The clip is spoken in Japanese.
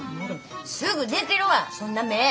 すぐでけるわそんな目ぇ！